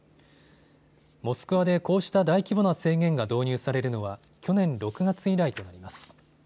モスクワでこうした大規模な制限が導入されるのは去年６月以来となります。